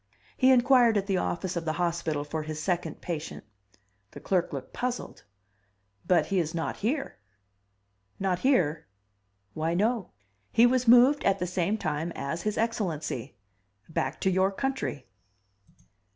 He inquired at the office of the hospital for his second patient. The clerk looked puzzled. "But he is not here...." "Not here?" "Why, no. He was moved at the same time as His Excellency back to your country."